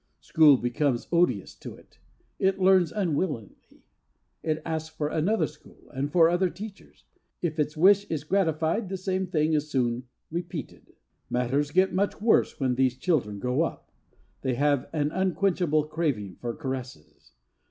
School becomes odious to it; it learns unwillingly. It asks for another school and for other teachers. If its wish is gratified the same thing is soon repeated. Matters get much worse when these children grow up. They have an unquenchable craving for caresses.